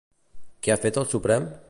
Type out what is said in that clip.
Què ha fet el Suprem?